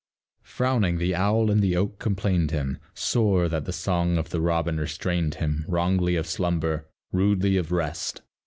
Frowning, the owl in the oak complained him Sore, that the song of the robin restrained him Wrongly of slumber, rudely of rest.